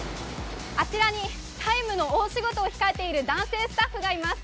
あちらに「ＴＩＭＥ，」の大仕事を控えている男性スタッフがいます。